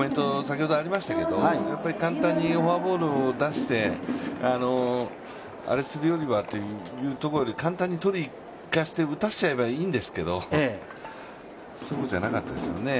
簡単にフォアボールを出して、あれするよりはというところで、簡単にとりにいかせて、打たせちゃえばいいんですけどそうじゃなかったですよね。